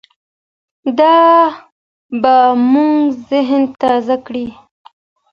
دا به مو ذهن تازه کړي.